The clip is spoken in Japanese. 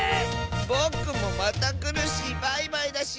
ぼくもまたくるしバイバイだし！